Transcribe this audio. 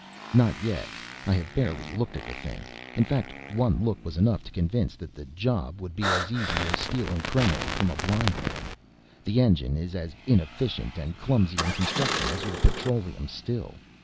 "Not yet, I have barely looked at the thing. In fact one look was enough to convince that the job will be as easy as stealing krenoj from a blind man. The engine is as inefficient and clumsy in construction as your petroleum still.